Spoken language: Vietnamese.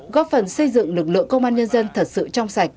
góp phần xây dựng lực lượng công an nhân dân thật sự trong sạch